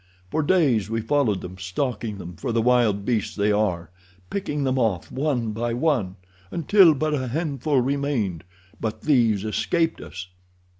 For days we followed them, stalking them for the wild beasts they are, picking them off one by one, until but a handful remained, but these escaped us."